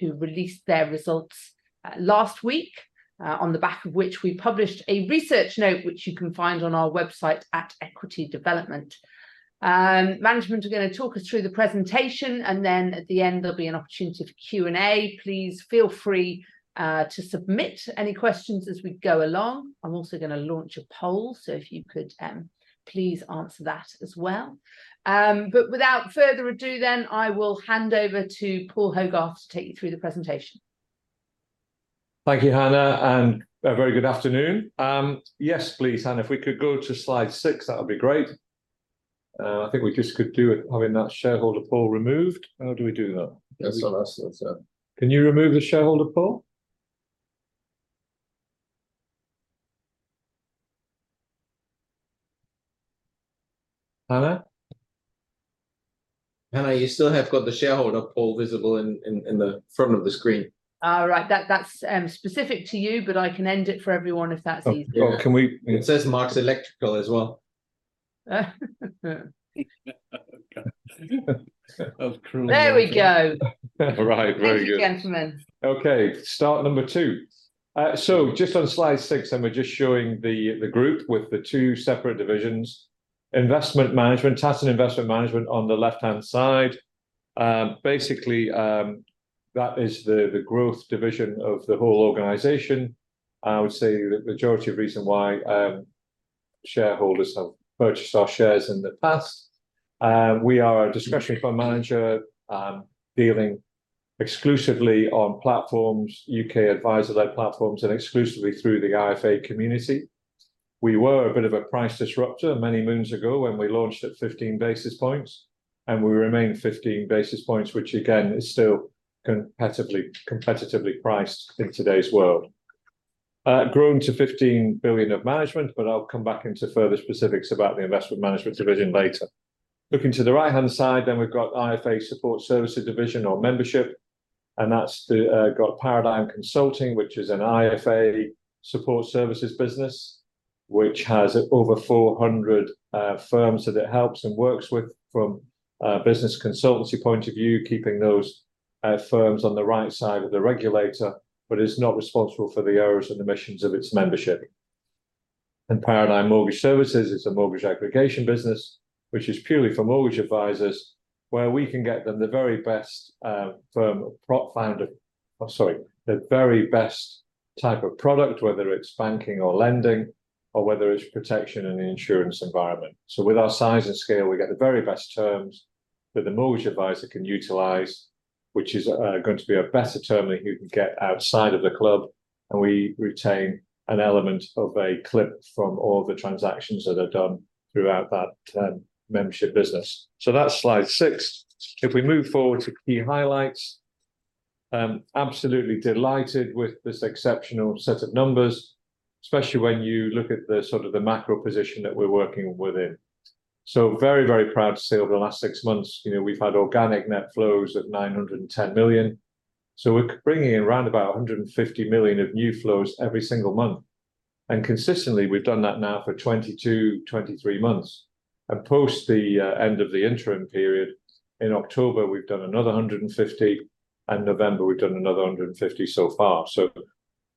who released their results last week, on the back of which we published a research note, which you can find on our website at Equity Development. Management are going to talk us through the presentation, and then at the end, there'll be an opportunity for Q&A. Please feel free to submit any questions as we go along. I'm also going to launch a poll, so if you could please answer that as well. But without further ado, then, I will hand over to Paul Hogarth to take you through the presentation. Thank you, Hannah, and a very good afternoon. Yes, please, Hannah, if we could go to slide six, that would be great. I think we just could do with having that shareholder poll removed. How do we do that? Yes, that's. Can you remove the shareholder poll? Hannah? Hannah, you still have got the shareholder poll visible in the front of the screen. Right. That's specific to you, but I can end it for everyone if that's easier. Oh, can we- It says Marks Electrical as well. Okay. There we go! All right, very good. Thank you, gentlemen. Okay, start number two. So just on slide six, and we're just showing the group with the two separate divisions. Investment management, Tatton Investment Management on the left-hand side. Basically, that is the growth division of the whole organisation, and I would say the majority of reason why shareholders have purchased our shares in the past. We are a discretionary fund manager, dealing exclusively on platforms, U.K. advisor-led platforms, and exclusively through the IFA community. We were a bit of a price disrupter many moons ago when we launched at 15 basis points, and we remain 15 basis points, which again, is still competitively, competitively priced in today's world. Grown to 15 billion of management, but I'll come back into further specifics about the investment management division later. Looking to the right-hand side, then we've got IFA Support Services division or membership, and that's got Paradigm Consulting, which is an IFA support services business, which has over 400 firms that it helps and works with from a business consultancy point of view, keeping those firms on the right side of the regulator, but is not responsible for the errors and omissions of its membership. And Paradigm Mortgage Services is a mortgage aggregation business, which is purely for mortgage advisors, where we can get them the very best type of product, whether it's banking or lending, or whether it's protection in the insurance environment. So with our size and scale, we get the very best terms that the mortgage advisor can utilize, which is going to be a better term that you can get outside of the club, and we retain an element of a clip from all the transactions that are done throughout that membership business. So that's slide six. If we move forward to key highlights, I'm absolutely delighted with this exceptional set of numbers, especially when you look at the sort of the macro position that we're working within. So very, very proud to say, over the last six months, you know, we've had organic net flows of 910 million. So we're bringing in around about 150 million of new flows every single month. And consistently, we've done that now for 22-23 months. Post the end of the interim period in October, we've done another 150, and November, we've done another 150 so far. So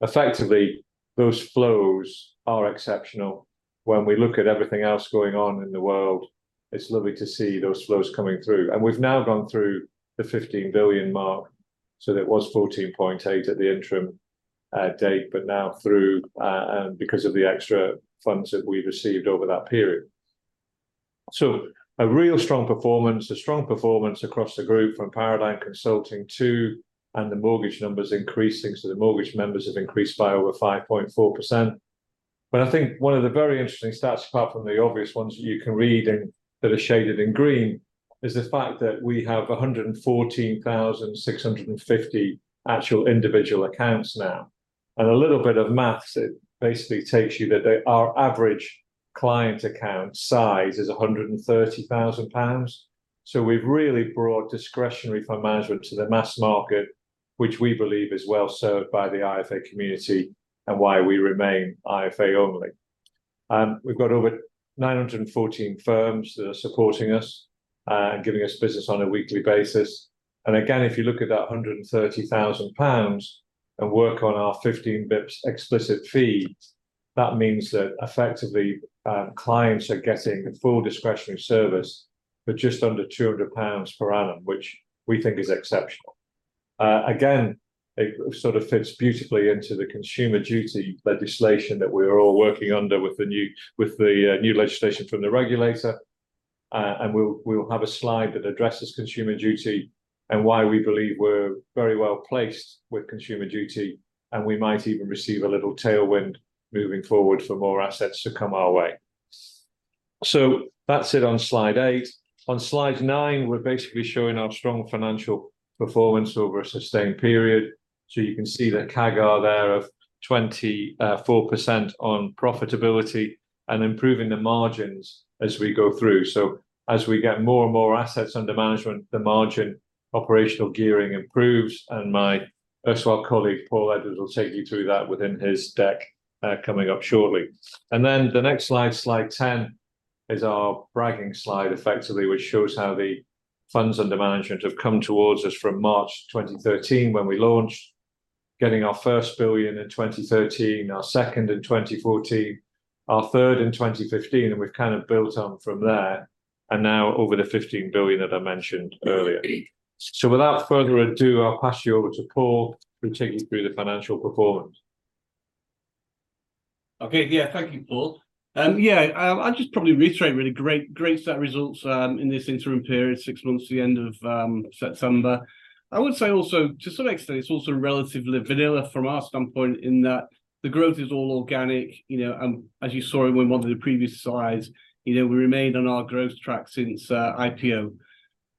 effectively, those flows are exceptional. When we look at everything else going on in the world, it's lovely to see those flows coming through. And we've now gone through the 15 billion mark, so that was 14.8 billion at the interim date, but now through and because of the extra funds that we received over that period. So a real strong performance, a strong performance across the group from Paradigm Consulting, too, and the mortgage numbers increasing, so the mortgage members have increased by over 5.4%. But I think one of the very interesting stats, apart from the obvious ones you can read and that are shaded in green, is the fact that we have 114,650 actual individual accounts now. And a little bit of math, it basically takes you that our average client account size is 130,000 pounds. So we've really brought discretionary fund management to the mass market, which we believe is well served by the IFA community and why we remain IFA only. We've got over 914 firms that are supporting us, and giving us business on a weekly basis. Again, if you look at that 130,000 pounds and work on our 15 bips explicit fee, that means that effectively, clients are getting a full discretionary service for just under 200 pounds per annum, which we think is exceptional. Again, it sort of fits beautifully into the Consumer Duty legislation that we're all working under with the new, with the, new legislation from the regulator. And we'll, we'll have a slide that addresses Consumer Duty and why we believe we're very well-placed with Consumer Duty, and we might even receive a little tailwind moving forward for more assets to come our way. That's it on slide eight. On slide nine, we're basically showing our strong financial performance over a sustained period. So you can see that CAGR there of 24% on profitability and improving the margins as we go through. So as we get more and more assets under management, the margin operational gearing improves, and my erstwhile colleague, Paul Edwards, will take you through that within his deck, coming up shortly. And then the next slide, slide 10, is our bragging slide, effectively, which shows how the funds under management have come towards us from March 2013, when we launched. Getting our first 1 billion in 2013, our second GBP 1 billion in 2014, our third GBP 1 billion in 2015, and we've kind of built on from there, and now over the 15 billion that I mentioned earlier. So without further ado, I'll pass you over to Paul, who'll take you through the financial performance. Okay. Yeah, thank you, Paul. Yeah, I, I'll just probably reiterate, really great, great set of results, in this interim period, six months to the end of September. I would say also, to some extent, it's also relatively vanilla from our standpoint in that the growth is all organic, you know, and as you saw in one of the previous slides, you know, we remained on our growth track since IPO.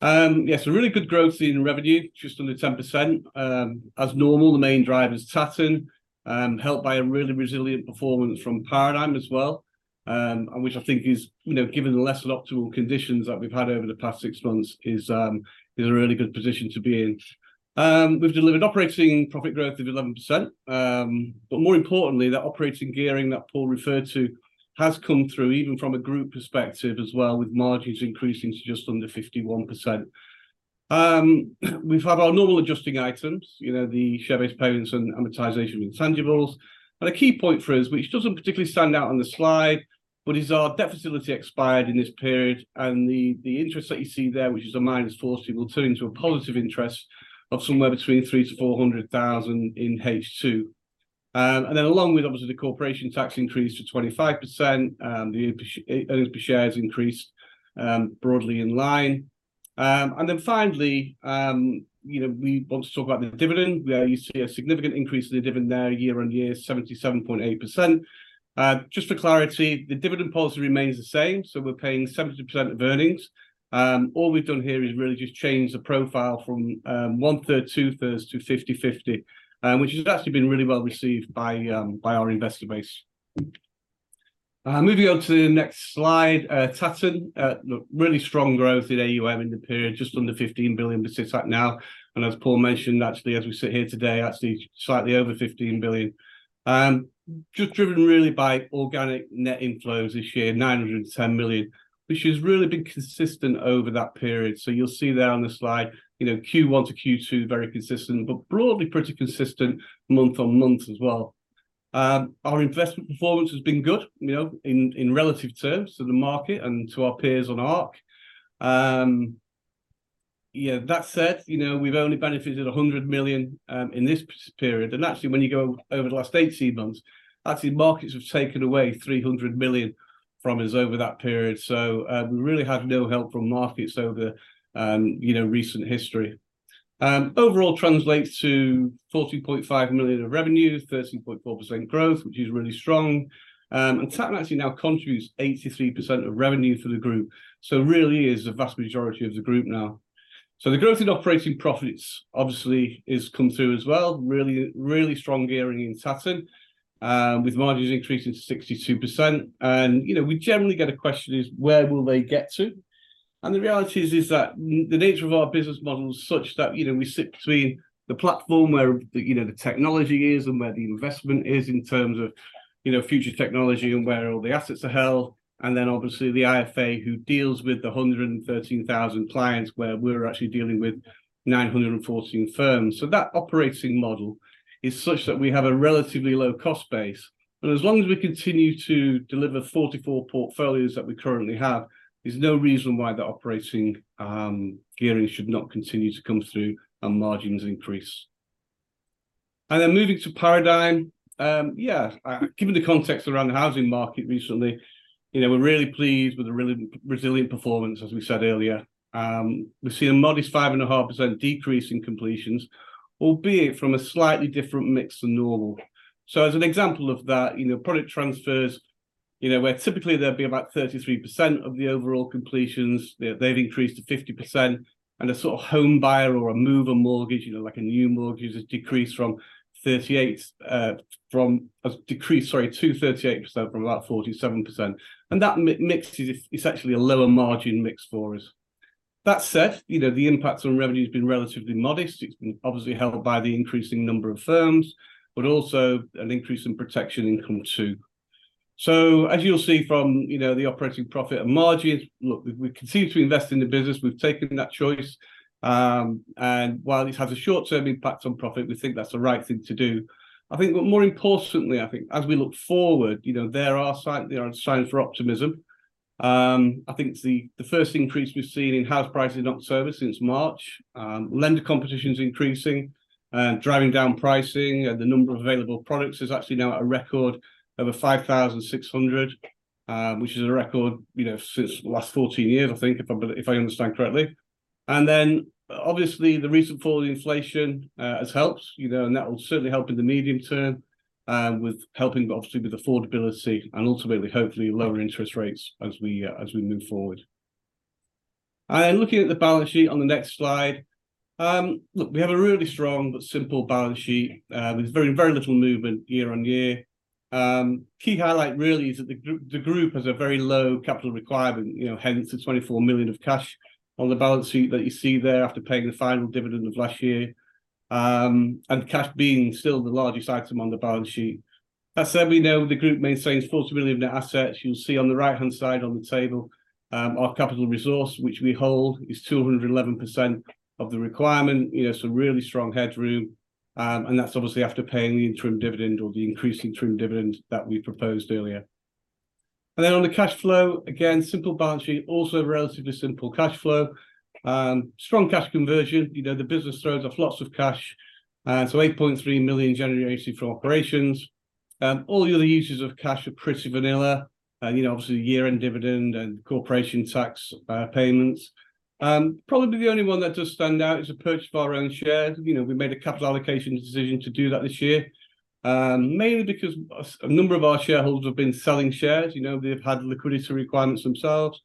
Yeah, so really good growth in revenue, just under 10%. As normal, the main driver is Tatton, helped by a really resilient performance from Paradigm as well. And which I think is, you know, given the less than optimal conditions that we've had over the past six months, is, is a really good position to be in. We've delivered operating profit growth of 11%. But more importantly, that operating gearing that Paul referred to has come through, even from a group perspective as well, with margins increasing to just under 51%. We've had our normal adjusting items, you know, the share-based payments and amortization of intangibles. But a key point for us, which doesn't particularly stand out on the slide, but is our debt facility expired in this period, and the, the interest that you see there, which is a -40,000, will turn into a positive interest of somewhere between 300,000-400,000 in H2. And then along with, obviously, the corporation tax increase to 25%, the earnings per share has increased, broadly in line. And then finally, you know, we want to talk about the dividend, where you see a significant increase in the dividend there, year-over-year, 77.8%. Just for clarity, the dividend policy remains the same, so we're paying 70% of earnings. All we've done here is really just change the profile from 1/3, 2/3 to 50/50. Which has actually been really well received by our investor base. Moving on to the next slide, Tatton, look, really strong growth in AUM in the period, just under 15 billion it sits at now. And as Paul mentioned, actually, as we sit here today, actually slightly over 15 billion. Just driven really by organic net inflows this year, 910 million, which has really been consistent over that period. So you'll see there on the slide, you know, Q1 to Q2, very consistent, but broadly pretty consistent month-on-month as well. Our investment performance has been good, you know, in relative terms to the market and to our peers on ARC. Yeah, that said, you know, we've only benefited 100 million in this period. And actually, when you go over the last 18 months, actually, markets have taken away 300 million from us over that period, so we really had no help from markets over, you know, recent history. Overall translates to 40.5 million of revenue, 13.4% growth, which is really strong. And Tatton actually now contributes 83% of revenue for the group, so really is the vast majority of the group now. So the growth in operating profits, obviously, is come through as well. Really, really strong gearing in Tatton, with margins increasing to 62%. And, you know, we generally get a question is, "Where will they get to?" And the reality is, is that the nature of our business model is such that, you know, we sit between the platform where, you know, the technology is and where the investment is in terms of, you know, future technology and where all the assets are held, and then obviously the IFA, who deals with the 113,000 clients, where we're actually dealing with 914 firms. So that operating model is such that we have a relatively low cost base. As long as we continue to deliver 44 portfolios that we currently have, there's no reason why the operating gearing should not continue to come through and margins increase. Then moving to Paradigm, given the context around the housing market recently, you know, we're really pleased with the really resilient performance, as we said earlier. We've seen a modest 5.5% decrease in completions, albeit from a slightly different mix than normal. As an example of that, you know, product transfers, you know, where typically there'd be about 33% of the overall completions, they've increased to 50%. And the sort of home buyer or a mover mortgage, you know, like a new mortgage, has decreased to 38% from about 47%. That mix is actually a lower margin mix for us. That said, you know, the impact on revenue has been relatively modest. It's been obviously helped by the increasing number of firms, but also an increase in protection income, too. So as you'll see from, you know, the operating profit and margins, look, we continue to invest in the business. We've taken that choice. And while it has a short-term impact on profit, we think that's the right thing to do. I think, but more importantly, I think as we look forward, you know, there are signs for optimism. I think it's the first increase we've seen in house prices not service since March. Lender competition is increasing, driving down pricing, and the number of available products is actually now at a record over 5,600, which is a record, you know, since the last 14 years, I think, if I understand correctly. And then, obviously, the recent fall in inflation has helped, you know, and that will certainly help in the medium term, with helping, obviously, with affordability and ultimately, hopefully, lower interest rates as we move forward. And looking at the balance sheet on the next slide, look, we have a really strong but simple balance sheet, with very, very little movement year-over-year. Key highlight really is that the group, the group has a very low capital requirement, you know, hence the 24 million of cash on the balance sheet that you see there after paying the final dividend of last year.... and cash being still the largest item on the balance sheet. That said, we know the group maintains portability of net assets. You'll see on the right-hand side on the table, our capital resource, which we hold, is 211% of the requirement. You know, so really strong headroom, and that's obviously after paying the interim dividend or the increased interim dividend that we proposed earlier. And then on the cash flow, again, simple balance sheet, also relatively simple cash flow. Strong cash conversion, you know, the business throws off lots of cash. So 8.3 million generated from operations. All the other uses of cash are pretty vanilla. You know, obviously, year-end dividend and corporation tax payments. Probably the only one that does stand out is the purchase of our own shares. You know, we made a capital allocation decision to do that this year, mainly because a number of our shareholders have been selling shares. You know, they've had liquidity requirements themselves,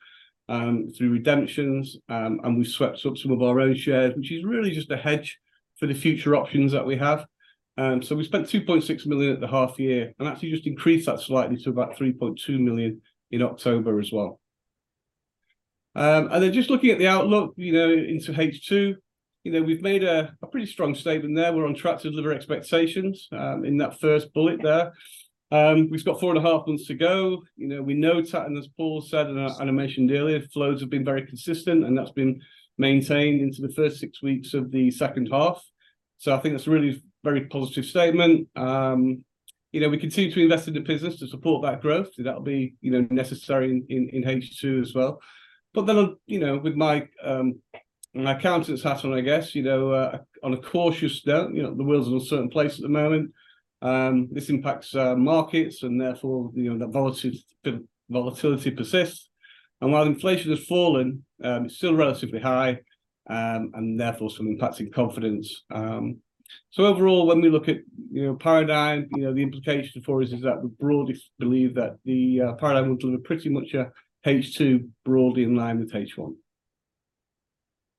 through redemptions. And we've swept up some of our own shares, which is really just a hedge for the future options that we have. So we spent 2.6 million at the half year, and actually just increased that slightly to about 3.2 million in October as well. And then just looking at the outlook, you know, into H2, you know, we've made a pretty strong statement there. We're on track to deliver expectations, in that first bullet there. We've got 4.5 months to go. You know, we know it's happening, as Paul said in our animation earlier, flows have been very consistent, and that's been maintained into the first six weeks of the second half. So I think that's a really very positive statement. You know, we continue to invest in the business to support that growth. That'll be, you know, necessary in H2 as well. But then, you know, with my accountant's hat on, I guess, you know, on a cautious note, you know, the world's in a certain place at the moment. This impacts markets and therefore, you know, the volatility persists. And while inflation has fallen, it's still relatively high, and therefore some impacts in confidence. So overall, when we look at, you know, Paradigm, you know, the implication for us is that we broadly believe that the Paradigm will deliver pretty much a H2 broadly in line with H1.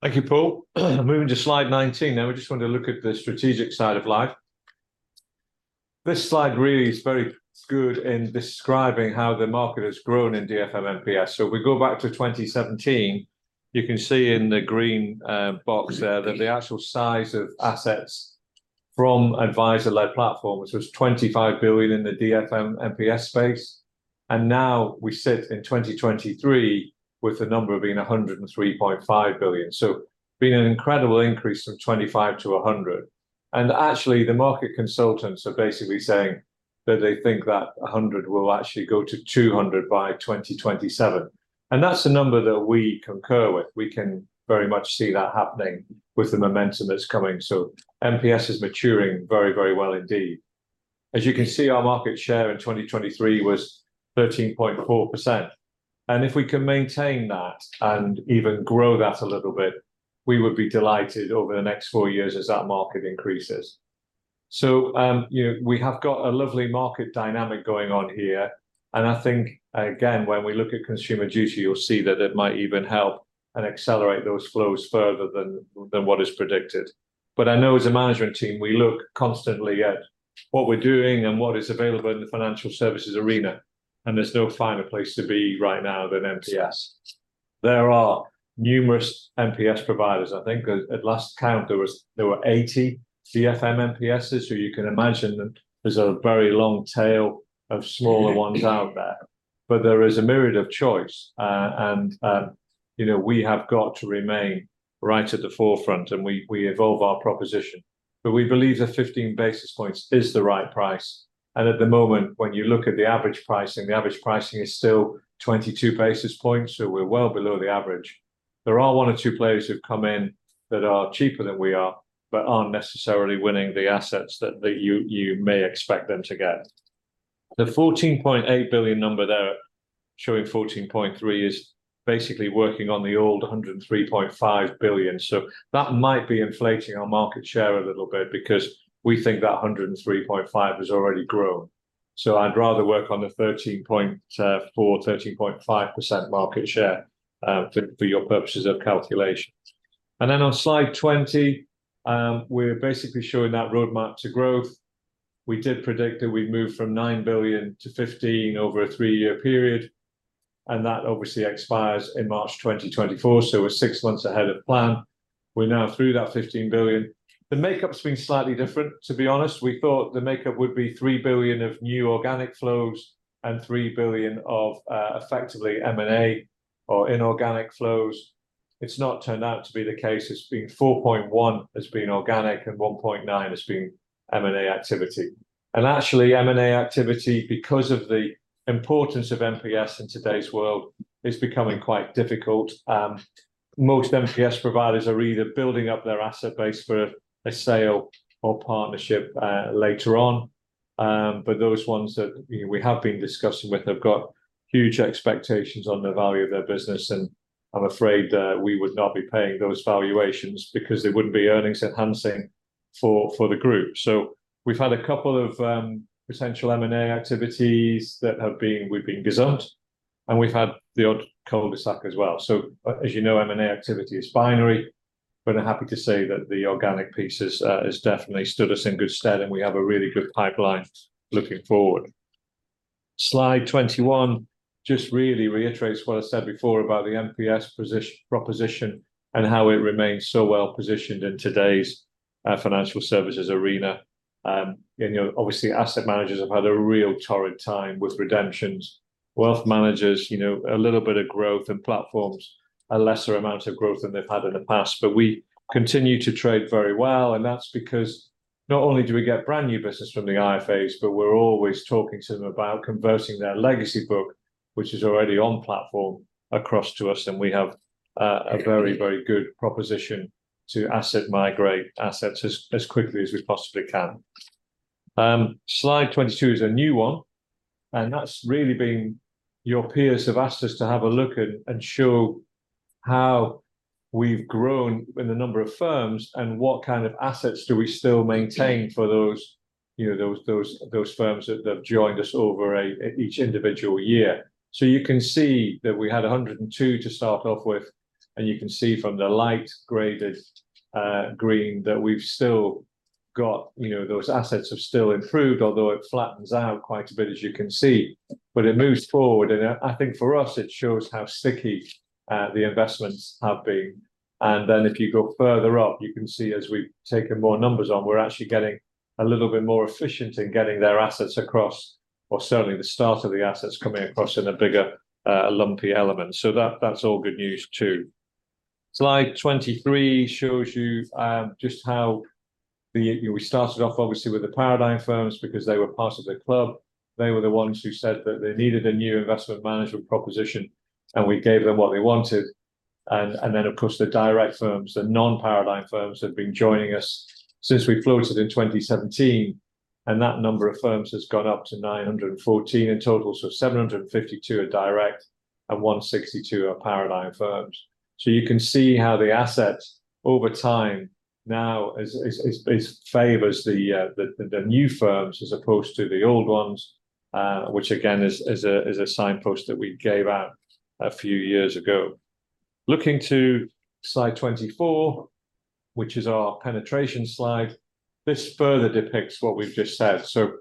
Thank you, Paul. Moving to slide 19 now, we just want to look at the strategic side of life. This slide really is very good in describing how the market has grown in DFM MPS. So if we go back to 2017, you can see in the green box there that the actual size of assets from advisor-led platforms was 25 billion in the DFM MPS space. And now we sit in 2023 with the number being 103.5 billion. So been an incredible increase from 25 to 100. And actually, the market consultants are basically saying that they think that 100 will actually go to 200 by 2027, and that's a number that we concur with. We can very much see that happening with the momentum that's coming. So MPS is maturing very, very well indeed. As you can see, our market share in 2023 was 13.4%, and if we can maintain that and even grow that a little bit, we would be delighted over the next four years as that market increases. So, you know, we have got a lovely market dynamic going on here, and I think, again, when we look at Consumer Duty, you'll see that it might even help and accelerate those flows further than what is predicted. But I know as a management team, we look constantly at what we're doing and what is available in the financial services arena, and there's no finer place to be right now than MPS. There are numerous MPS providers. I think at last count, there was, there were 80 DFM MPSs, so you can imagine that there's a very long tail of smaller ones out there. But there is a myriad of choice, and, you know, we have got to remain right at the forefront, and we, we evolve our proposition. But we believe that 15 basis points is the right price, and at the moment, when you look at the average pricing, the average pricing is still 22 basis points, so we're well below the average. There are one or two players who've come in that are cheaper than we are, but aren't necessarily winning the assets that, that you, you may expect them to get. The 14.8 billion number there, showing 14.3, is basically working on the old 103.5 billion. So that might be inflating our market share a little bit because we think that 103.5 has already grown. So I'd rather work on the 13.4, 13.5% market share, for, for your purposes of calculation. And then on slide 20, we're basically showing that roadmap to growth. We did predict that we'd move from 9 billion to 15 billion over a three-year period, and that obviously expires in March 2024, so we're six months ahead of plan. We're now through that 15 billion. The makeup's been slightly different, to be honest. We thought the makeup would be 3 billion of new organic flows and 3 billion of, effectively M&A or inorganic flows. It's not turned out to be the case. It's been 4.1 has been organic and 1.9 has been M&A activity. And actually, M&A activity, because of the importance of MPS in today's world, is becoming quite difficult. Most MPS providers are either building up their asset base for a sale or partnership later on. But those ones that we have been discussing with have got huge expectations on the value of their business, and I'm afraid we would not be paying those valuations because they wouldn't be earnings-enhancing for the group. So we've had a couple of potential M&A activities. We've been sounded, and we've had the odd cul-de-sac as well. So as you know, M&A activity is binary, but I'm happy to say that the organic piece has definitely stood us in good stead, and we have a really good pipeline looking forward. Slide 21 just really reiterates what I said before about the MPS proposition and how it remains so well-positioned in today's financial services arena. And, you know, obviously, asset managers have had a real torrid time with redemptions. Wealth managers, you know, a little bit of growth, and platforms, a lesser amount of growth than they've had in the past. But we continue to trade very well, and that's because not only do we get brand-new business from the IFAs, but we're always talking to them about converting their legacy book, which is already on platform, across to us, and we have a very, very good proposition to asset migrate assets as quickly as we possibly can. Slide 22 is a new one, and that's really been, your peers have asked us to have a look at and show how we've grown in the number of firms, and what kind of assets do we still maintain for those, you know, those firms that have joined us over each individual year. So you can see that we had 102 to start off with, and you can see from the light graded green that we've still got, you know, those assets have still improved, although it flattens out quite a bit, as you can see. But it moves forward, and I think for us, it shows how sticky the investments have been. Then, if you go further up, you can see as we've taken more numbers on, we're actually getting a little bit more efficient in getting their assets across, or certainly the start of the assets coming across in a bigger, lumpy element. So that, that's all good news, too. Slide 23 shows you, just how the, you know, we started off, obviously, with the Paradigm firms because they were part of the club. They were the ones who said that they needed a new investment management proposition, and we gave them what they wanted. And then, of course, the direct firms, the non-Paradigm firms, have been joining us since we floated in 2017, and that number of firms has gone up to 914 in total. So 752 are direct, and 162 are Paradigm firms. So you can see how the assets over time now favors the new firms as opposed to the old ones, which again is a signpost that we gave out a few years ago. Looking to slide 24, which is our penetration slide, this further depicts what we've just said. So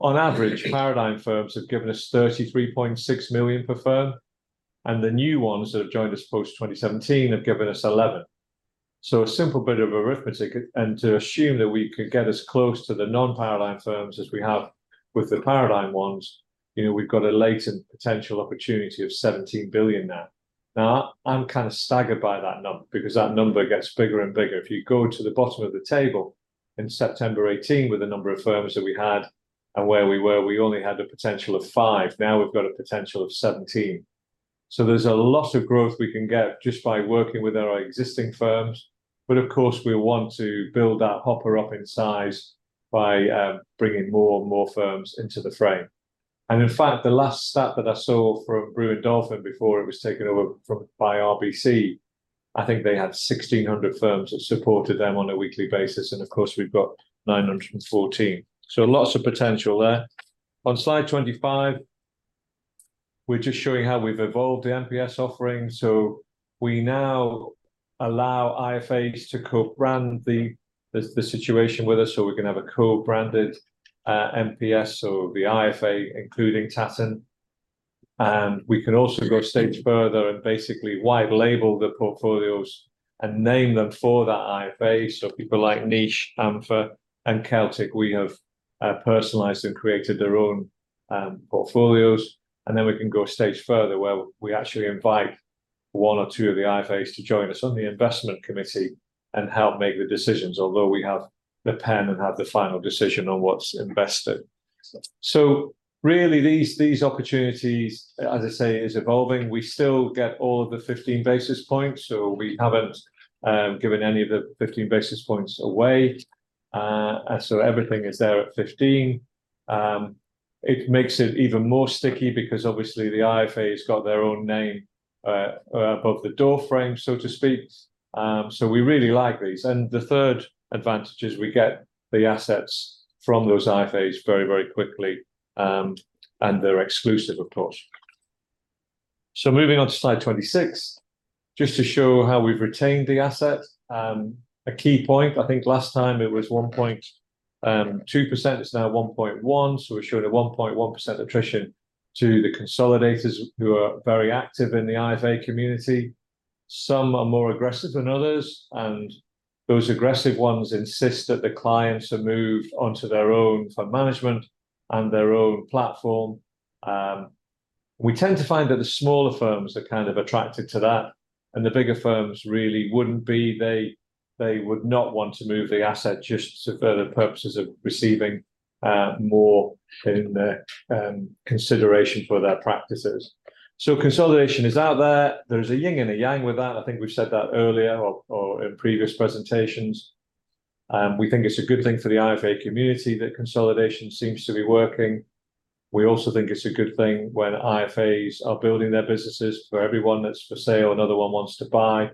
on average, Paradigm firms have given us 33.6 million per firm, and the new ones that have joined us post-2017 have given us 11 million. So a simple bit of arithmetic, and to assume that we could get as close to the non-Paradigm firms as we have with the Paradigm ones, you know, we've got a latent potential opportunity of 17 billion now. Now, I'm kind of staggered by that number, because that number gets bigger and bigger. If you go to the bottom of the table, in September 2018, with the number of firms that we had and where we were, we only had a potential of five, now we've got a potential of 17. There's a lot of growth we can get just by working with our existing firms. But of course, we want to build that hopper up in size by bringing more and more firms into the frame. In fact, the last stat that I saw for Brewin Dolphin before it was taken over from, by RBC, I think they had 1,600 firms that supported them on a weekly basis, and of course, we've got 914. Lots of potential there. On slide 25, we're just showing how we've evolved the MPS offering. So we now allow IFAs to co-brand the situation with us, so we can have a co-branded MPS, so the IFA including Tatton. And we can also go a stage further and basically white label the portfolios and name them for that IFA. So people like Niche, Ampere, and Celtic, we have personalized and created their own portfolios. And then we can go a stage further, where we actually invite one or two of the IFAs to join us on the investment committee and help make the decisions, although we have the pen and have the final decision on what's invested. So really, these opportunities, as I say, is evolving. We still get all of the 15 basis points, so we haven't given any of the 15 basis points away. So everything is there at 15. It makes it even more sticky because obviously the IFA has got their own name above the door frame, so to speak. So we really like these. And the third advantage is we get the assets from those IFAs very, very quickly, and they're exclusive, of course. So moving on to slide 26, just to show how we've retained the asset. A key point, I think last time it was 1.2%, it's now 1.1%, so we're showing a 1.1% attrition to the consolidators, who are very active in the IFA community. Some are more aggressive than others, and those aggressive ones insist that the clients are moved onto their own fund management and their own platform. We tend to find that the smaller firms are kind of attracted to that, and the bigger firms really wouldn't be. They, they would not want to move the asset just for the purposes of receiving, more in the, consideration for their practices. So consolidation is out there. There's a yin and yang with that. I think we've said that earlier or, or in previous presentations. We think it's a good thing for the IFA community that consolidation seems to be working. We also think it's a good thing when IFAs are building their businesses. For every one that's for sale, another one wants to buy.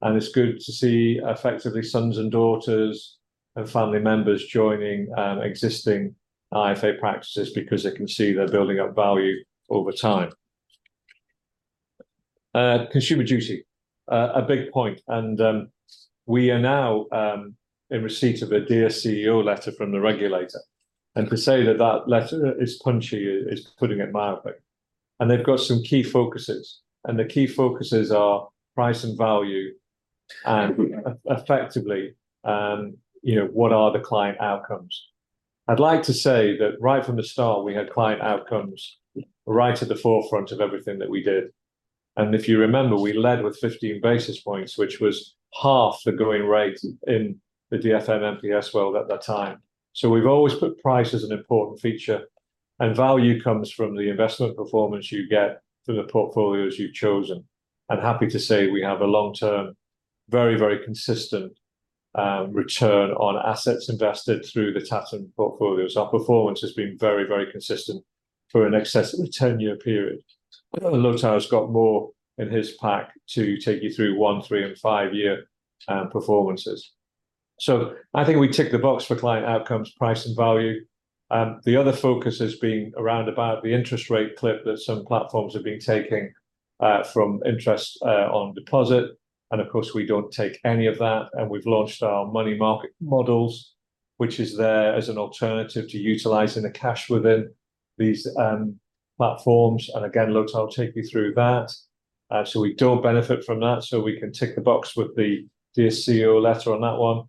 And it's good to see, effectively, sons and daughters and family members joining, existing IFA practices because they can see they're building up value over time. Consumer Duty, a big point. We are now in receipt of a Dear CEO letter from the regulator, and to say that that letter is punchy is putting it mildly. And they've got some key focuses, and the key focuses are price and value, and effectively, you know, what are the client outcomes? I'd like to say that right from the start, we had client outcomes right at the forefront of everything that we did. And if you remember, we led with 15 basis points, which was half the going rate in the DFM MPS world at that time. So we've always put price as an important feature, and value comes from the investment performance you get from the portfolios you've chosen. I'm happy to say we have a long-term, very, very consistent return on assets invested through the Tatton portfolios. Our performance has been very, very consistent for in excess of a 10-year period. I know Lothar's got more in his pack to take you through one, three, and five-year performances. So I think we tick the box for client outcomes, price, and value. The other focus has been around about the interest rate clip that some platforms have been taking from interest on deposit, and of course, we don't take any of that. And we've launched our money market models, which is there as an alternative to utilizing the cash within these platforms. And again, Lothar will take you through that. So we don't benefit from that, so we can tick the box with the Dear CEO letter on that one.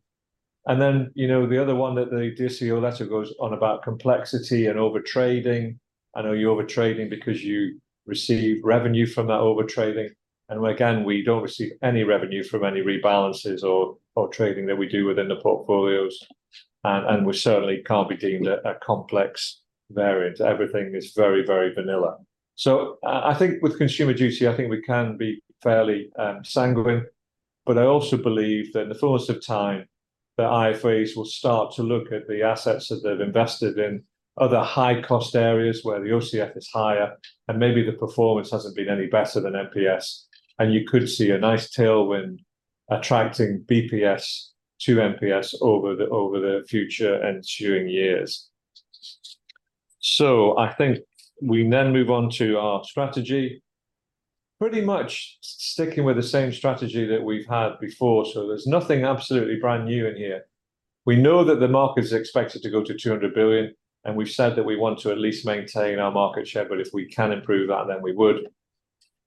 And then, you know, the other one that the Dear CEO letter goes on about complexity and overtrading. I know you're overtrading because you receive revenue from that overtrading, and again, we don't receive any revenue from any rebalances or trading that we do within the portfolios. And we certainly can't be deemed a complex variant. Everything is very, very vanilla. So I think with Consumer Duty, I think we can be fairly sanguine, but I also believe that in the fullness of time, the IFAs will start to look at the assets that they've invested in other high-cost areas where the OCF is higher, and maybe the performance hasn't been any better than MPS. And you could see a nice tailwind attracting BPS to MPS over the future ensuing years. So I think we then move on to our strategy. Pretty much sticking with the same strategy that we've had before, so there's nothing absolutely brand new in here. We know that the market is expected to go to 200 billion, and we've said that we want to at least maintain our market share, but if we can improve that, then we would.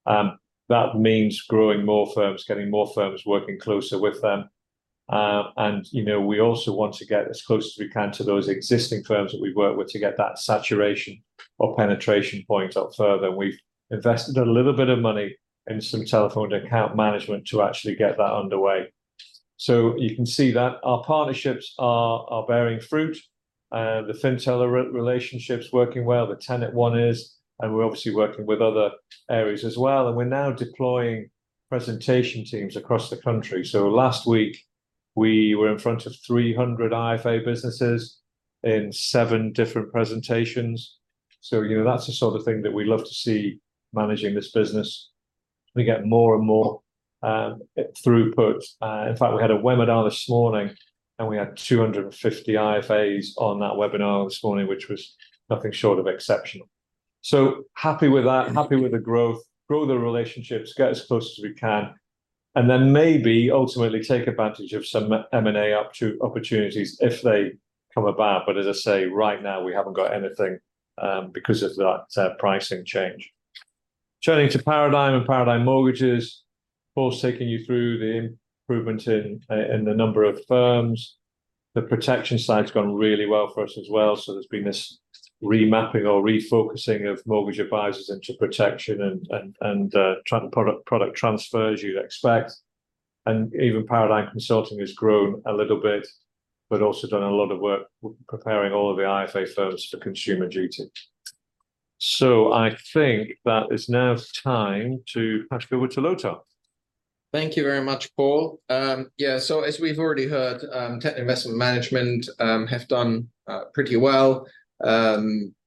That means growing more firms, getting more firms, working closer with them. You know, we also want to get as close as we can to those existing firms that we work with to get that saturation or penetration point up further. We've invested a little bit of money in some telephone account management to actually get that underway. So you can see that our partnerships are bearing fruit. The Fintel relationships working well, the Tatton one is, and we're obviously working with other areas as well. And we're now deploying presentation teams across the country. So last week, we were in front of 300 IFA businesses in seven different presentations. So, you know, that's the sort of thing that we love to see managing this business. We get more and more throughput. In fact, we had a webinar this morning, and we had 250 IFAs on that webinar this morning, which was nothing short of exceptional. So happy with that, happy with the growth. Grow the relationships, get as close as we can, and then maybe ultimately take advantage of some M&A opportunities if they come about. But as I say, right now, we haven't got anything because of that pricing change. Turning to Paradigm and Paradigm Mortgages, Paul's taken you through the improvement in the number of firms. The protection side's gone really well for us as well, so there's been this remapping or refocusing of mortgage advisors into protection and product transfers you'd expect. And even Paradigm Consulting has grown a little bit, but also done a lot of work preparing all of the IFA firms for Consumer Duty. So I think that it's now time to pass over to Lothar. Thank you very much, Paul. Yeah, so as we've already heard, Tatton Investment Management have done pretty well.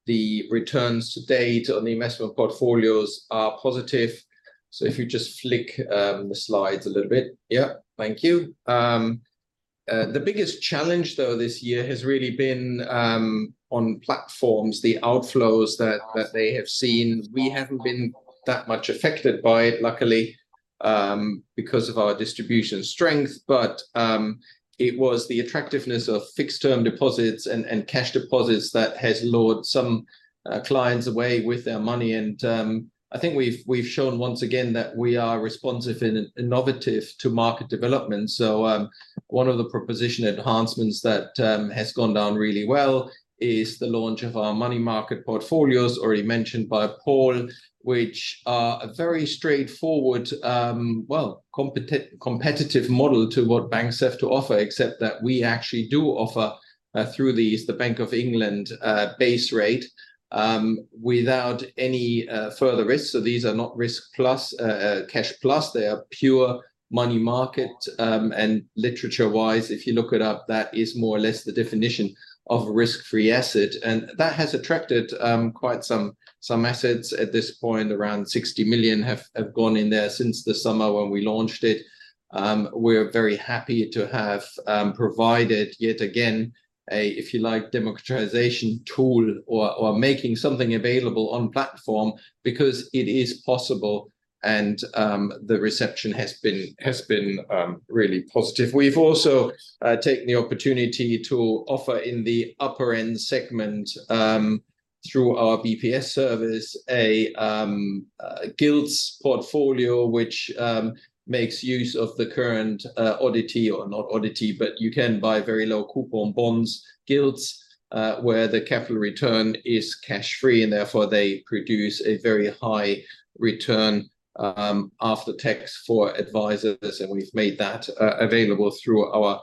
The returns to date on the investment portfolios are positive. So if you just flick the slides a little bit. Yeah, thank you. The biggest challenge, though, this year has really been on platforms, the outflows that they have seen. We haven't been that much affected by it, luckily, because of our distribution strength. But it was the attractiveness of fixed-term deposits and cash deposits that has lured some clients away with their money. And I think we've shown once again that we are responsive and innovative to market development. So, one of the proposition enhancements that has gone down really well is the launch of our money market portfolios, already mentioned by Paul, which are a very straightforward, well, competitive model to what banks have to offer, except that we actually do offer, through these, the Bank of England base rate, without any further risk. So these are not risk plus, cash plus, they are pure money market. And literature-wise, if you look it up, that is more or less the definition of a risk-free asset, and that has attracted quite some assets at this point. Around 60 million have gone in there since the summer when we launched it. We're very happy to have provided, yet again, a, if you like, democratization tool or making something available on platform because it is possible and the reception has been really positive. We've also taken the opportunity to offer in the upper-end segment through our BPS service, a gilts portfolio, which makes use of the current oddity or not oddity, but you can buy very low coupon bonds, gilts, where the capital return is cash-free, and therefore they produce a very high return after tax for advisors, and we've made that available through our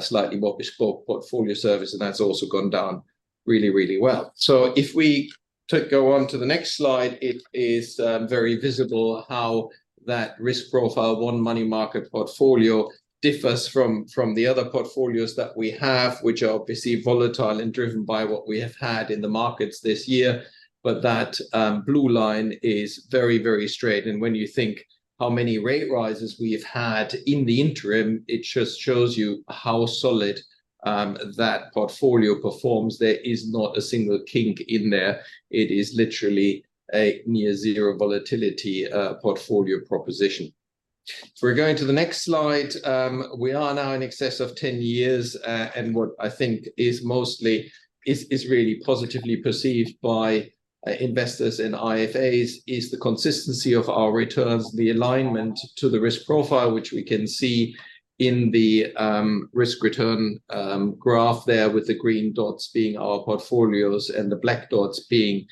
slightly more bespoke portfolio service, and that's also gone down really, really well. So if we to go on to the next slide, it is very visible how that risk profile, one money market portfolio, differs from the other portfolios that we have, which are obviously volatile and driven by what we have had in the markets this year. But that blue line is very, very straight, and when you think how many rate rises we've had in the interim, it just shows you how solid that portfolio performs. There is not a single kink in there. It is literally a near zero volatility portfolio proposition. So we're going to the next slide. We are now in excess of 10 years, and what I think is mostly really positively perceived by investors and IFAs is the consistency of our returns, the alignment to the risk profile, which we can see in the risk return graph there, with the green dots being our portfolios and the black dots being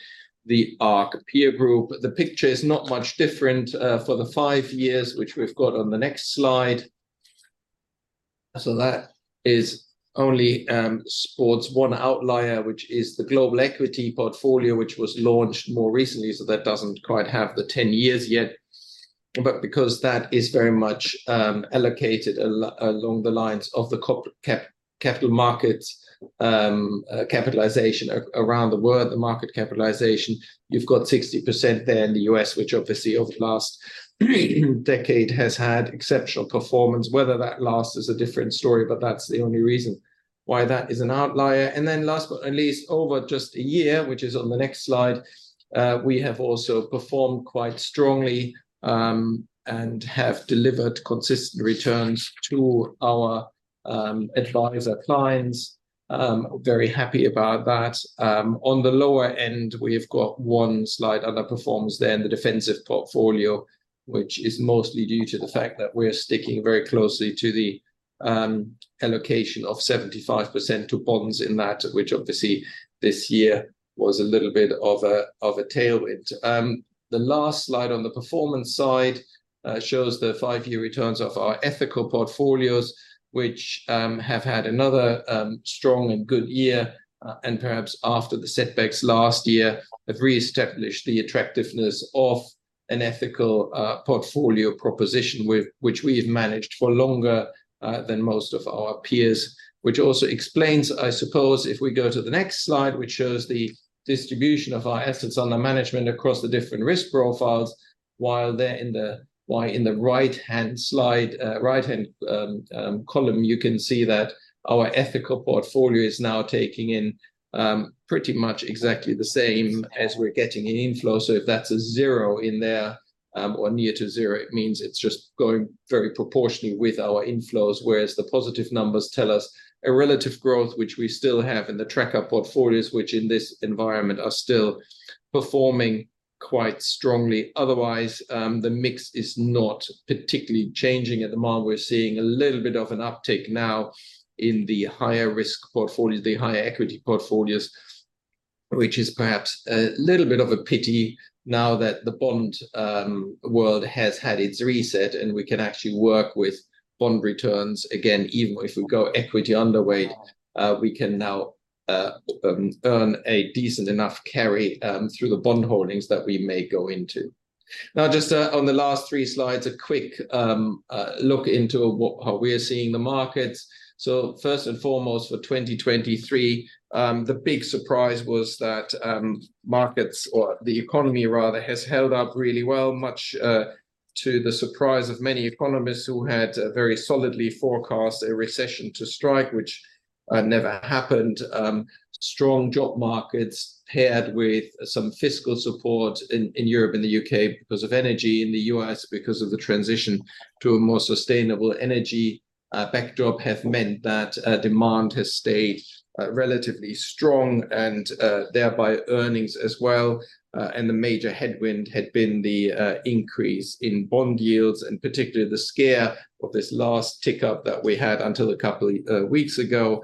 the ARC peer group. The picture is not much different for the five years, which we've got on the next slide. So that shows only one outlier, which is the global equity portfolio, which was launched more recently, so that doesn't quite have the 10 years yet. But because that is very much allocated along the lines of the capital markets capitalization around the world, the market capitalization, you've got 60% there in the U.S., which obviously over the last decade has had exceptional performance. Whether that lasts is a different story, but that's the only reason why that is an outlier. And then last but not least, over just one year, which is on the next slide, we have also performed quite strongly and have delivered consistent returns to our advisor clients. Very happy about that. On the lower end, we've got one slight underperforms there in the defensive portfolio, which is mostly due to the fact that we're sticking very closely to the allocation of 75% to bonds in that, which obviously this year was a little bit of a tailwind. The last slide on the performance side shows the five-year returns of our ethical portfolios, which have had another strong and good year, and perhaps after the setbacks last year, have reestablished the attractiveness of an ethical portfolio proposition with which we've managed for longer than most of our peers. Which also explains, I suppose, if we go to the next slide, which shows the distribution of our assets under management across the different risk profiles, while there in the... why in the right-hand slide, right-hand column, you can see that our ethical portfolio is now taking in pretty much exactly the same as we're getting in inflow. So if that's a zero in there, or near to zero, it means it's just going very proportionally with our inflows, whereas the positive numbers tell us a relative growth, which we still have in the tracker portfolios, which in this environment are still performing quite strongly. Otherwise, the mix is not particularly changing at the moment. We're seeing a little bit of an uptick now in the higher risk portfolios, the higher equity portfolios, which is perhaps a little bit of a pity now that the bond world has had its reset, and we can actually work with bond returns again, even if we go equity underweight, we can now earn a decent enough carry through the bond holdings that we may go into. Now, just, on the last three slides, a quick look into what, how we are seeing the markets. So first and foremost, for 2023, the big surprise was that markets, or the economy rather, has held up really well, much to the surprise of many economists who had very solidly forecast a recession to strike, which never happened. Strong job markets paired with some fiscal support in Europe and the U.K. because of energy in the U.S., because of the transition to a more sustainable energy backdrop, have meant that demand has stayed relatively strong, and thereby earnings as well. And the major headwind had been the increase in bond yields, and particularly the scare of this last tick up that we had until a couple of weeks ago,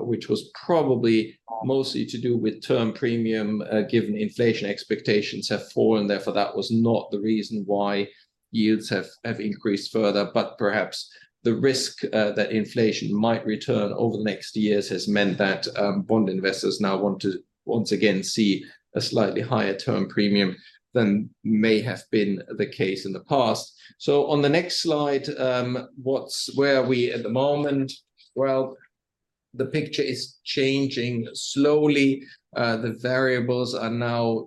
which was probably mostly to do with term premium, given inflation expectations have fallen. Therefore, that was not the reason why yields have increased further. But perhaps the risk that inflation might return over the next years has meant that bond investors now want to once again see a slightly higher term premium than may have been the case in the past. So on the next slide, where are we at the moment? Well, the picture is changing slowly. The variables are now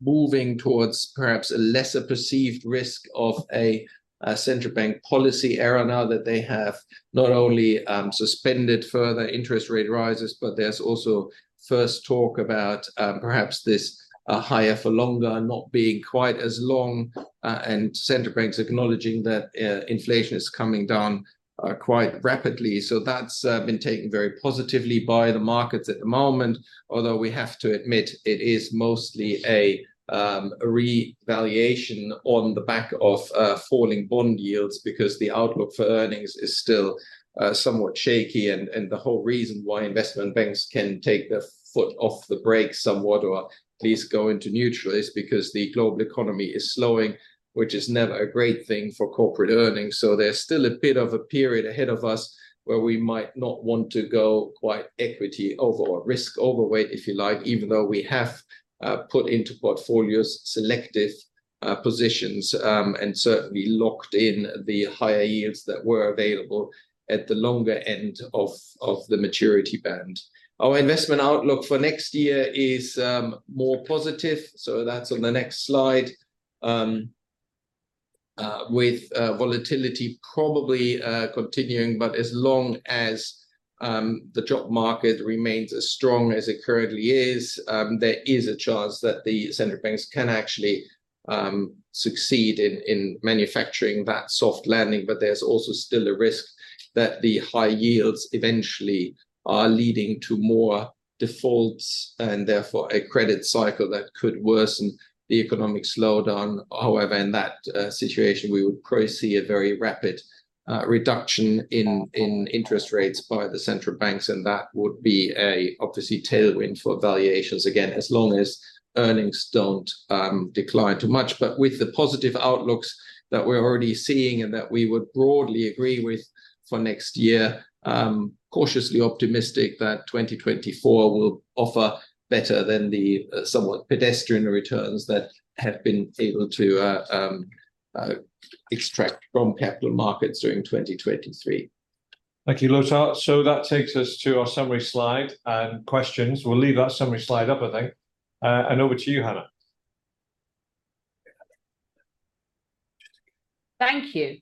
moving towards perhaps a lesser perceived risk of a central bank policy error, now that they have not only suspended further interest rate rises, but there's also first talk about perhaps this higher for longer not being quite as long, and central banks acknowledging that inflation is coming down quite rapidly. So that's been taken very positively by the markets at the moment. Although we have to admit, it is mostly a revaluation on the back of falling bond yields, because the outlook for earnings is still somewhat shaky. And the whole reason why investment banks can take their foot off the brake somewhat, or at least go into neutral, is because the global economy is slowing, which is never a great thing for corporate earnings. So there's still a bit of a period ahead of us where we might not want to go quite equity over or risk overweight, if you like, even though we have put into portfolios selective positions. And certainly locked in the higher yields that were available at the longer end of the maturity band. Our investment outlook for next year is more positive, so that's on the next slide. With volatility probably continuing, but as long as the job market remains as strong as it currently is, there is a chance that the central banks can actually succeed in manufacturing that soft landing. But there's also still a risk that the high yields eventually are leading to more defaults, and therefore a credit cycle that could worsen the economic slowdown. However, in that situation, we would probably see a very rapid reduction in interest rates by the central banks, and that would be obviously a tailwind for valuations, again, as long as earnings don't decline too much. But with the positive outlooks that we're already seeing, and that we would broadly agree with for next year, cautiously optimistic that 2024 will offer better than the somewhat pedestrian returns that have been able to extract from capital markets during 2023. Thank you, Lothar. So that takes us to our summary slide and questions. We'll leave that summary slide up, I think. And over to you, Hannah. Thank you.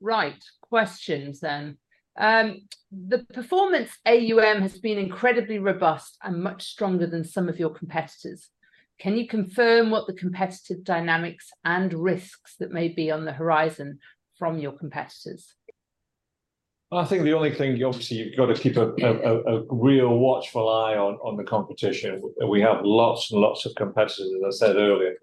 Right, questions then. The performance AUM has been incredibly robust and much stronger than some of your competitors. Can you confirm what the competitive dynamics and risks that may be on the horizon from your competitors? I think the only thing, obviously you've got to keep a real watchful eye on the competition. We have lots and lots of competitors, as I said earlier.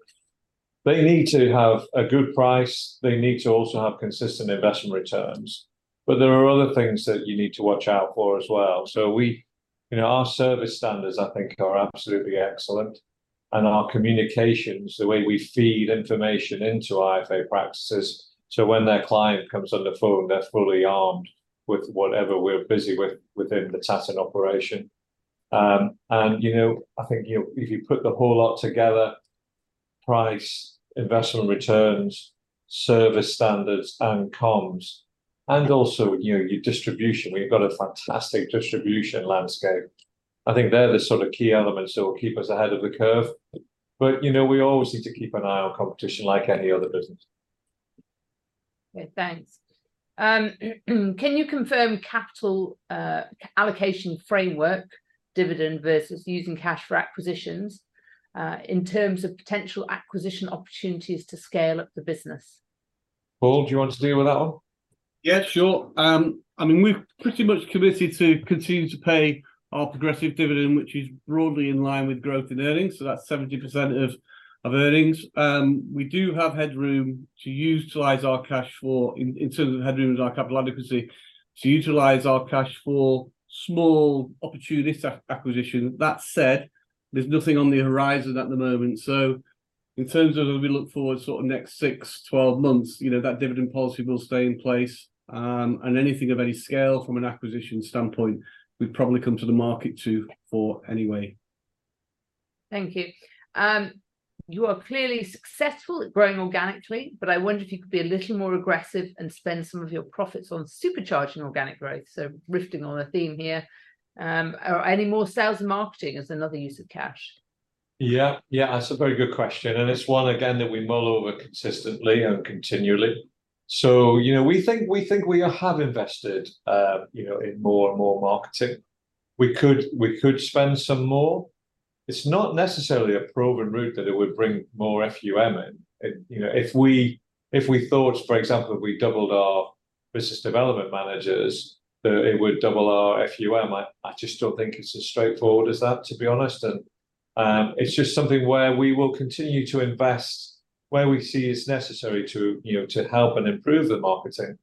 They need to have a good price. They need to also have consistent investment returns. But there are other things that you need to watch out for as well. So we, you know, our service standards, I think, are absolutely excellent, and our communications, the way we feed information into IFA practices, so when their client comes on the phone, they're fully armed with whatever we're busy with within the Tatton operation. And, you know, I think if you put the whole lot together, price, investment returns, service standards, and comms, and also, you know, your distribution, we've got a fantastic distribution landscape. I think they're the sort of key elements that will keep us ahead of the curve. But, you know, we always need to keep an eye on competition like any other business. Okay, thanks. Can you confirm capital allocation framework, dividend versus using cash for acquisitions, in terms of potential acquisition opportunities to scale up the business? Paul, do you want to deal with that one? Yeah, sure. I mean, we've pretty much committed to continuing to pay our progressive dividend, which is broadly in line with growth in earnings, so that's 70% of earnings. We do have headroom to utilize our cash flow, in terms of the headroom and our capital adequacy, to utilize our cash for small opportunistic acquisition. That said, there's nothing on the horizon at the moment. So in terms of as we look forward sort of next six, 12 months, you know, that dividend policy will stay in place. And anything of any scale from an acquisition standpoint, we'd probably come to the market to for anyway. Thank you. You are clearly successful at growing organically, but I wonder if you could be a little more aggressive and spend some of your profits on supercharging organic growth. So riffing on a theme here. Are any more sales and marketing as another use of cash? Yeah, yeah, that's a very good question, and it's one again that we mull over consistently and continually. So, you know, we think, we think we have invested, you know, in more and more marketing. We could, we could spend some more. It's not necessarily a proven route that it would bring more AUM in. You know, if we, if we thought, for example, if we doubled our business development managers, that it would double our AUM. I, I just don't think it's as straightforward as that, to be honest. And, it's just something where we will continue to invest where we see it's necessary to, you know, to help and improve the marketing.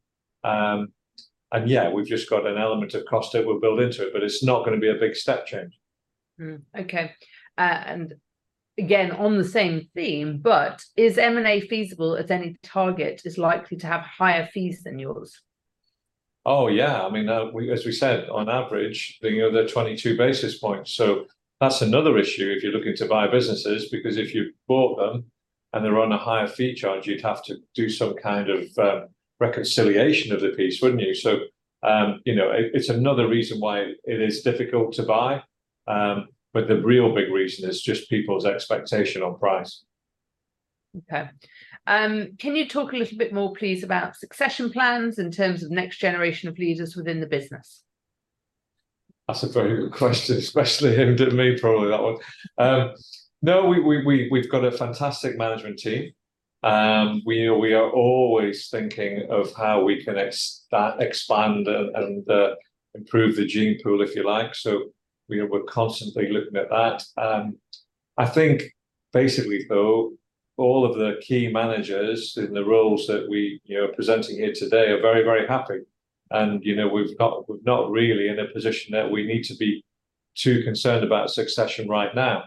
And yeah, we've just got an element of cost that we'll build into it, but it's not gonna be a big step change. Okay. And again, on the same theme, but is M&A feasible as any target is likely to have higher fees than yours? Oh, yeah. I mean, we as we said, on average, you know, they're 22 basis points. So that's another issue if you're looking to buy businesses, because if you've bought them and they're on a higher fee charge, you'd have to do some kind of reconciliation of the piece, wouldn't you? So, you know, it, it's another reason why it is difficult to buy. But the real big reason is just people's expectation on price. Okay. Can you talk a little bit more, please, about succession plans in terms of next generation of leaders within the business? That's a very good question, especially hinted at me probably that one. No, we've got a fantastic management team. We are always thinking of how we can expand and improve the gene pool, if you like. So we are... We're constantly looking at that. I think basically, though, all of the key managers in the roles that we, you know, are presenting here today are very, very happy. And, you know, we've not really in a position that we need to be too concerned about succession right now.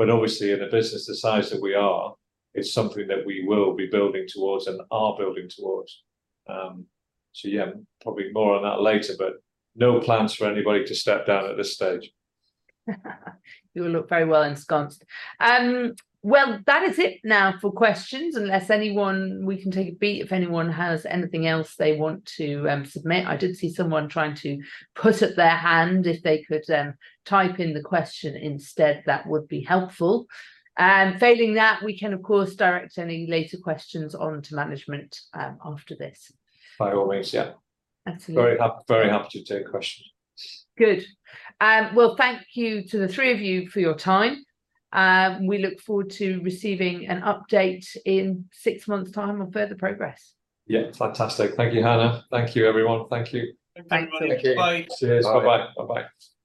But obviously, in a business the size that we are, it's something that we will be building towards and are building towards. So yeah, probably more on that later, but no plans for anybody to step down at this stage. You all look very well ensconced. Well, that is it now for questions, unless anyone... We can take a beat, if anyone has anything else they want to submit. I did see someone trying to put up their hand. If they could type in the question instead, that would be helpful. And failing that, we can, of course, direct any later questions on to management after this. By all means, yeah. Absolutely. Very happy to take questions. Good. Well, thank you to the three of you for your time. We look forward to receiving an update in six months' time on further progress. Yeah, fantastic. Thank you, Hannah. Thank you, everyone. Thank you. Thank you. Thank you. Bye. Cheers. Bye. Bye-bye. Bye-bye.